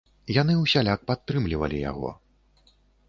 Яны ўсяляк падтрымлівалі яго.